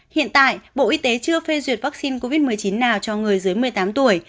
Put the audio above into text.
hiện tại bộ y tế chưa phê duyệt vaccine covid một mươi chín nào cho người dưới một mươi tám tuổi